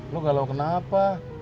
lo galau kenapa